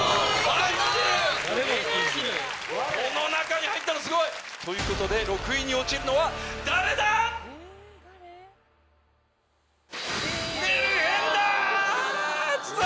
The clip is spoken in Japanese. この中に入ったのすごい！ということで６位に落ちるのは誰だ⁉あら